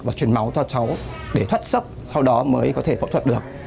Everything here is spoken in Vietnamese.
và chuyển máu cho cháu để thoát sốc sau đó mới có thể phẫu thuật được